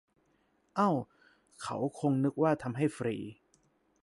เอ้า เขาคงนึกว่าทำให้ฟรี